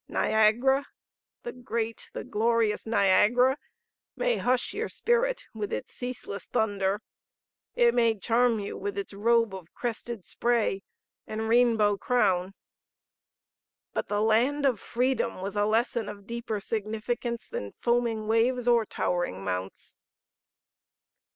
Niagara the great, the glorious Niagara may hush your spirit with its ceaseless thunder; it may charm you with its robe of crested spray and rainbow crown; but the land of Freedom was a lesson of deeper significance than foaming waves or towering mounts."